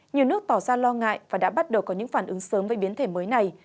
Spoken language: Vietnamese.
nhiều nước tỏ ra lo ngại và đã bắt đầu có những phản ứng sớm về biến thể mới này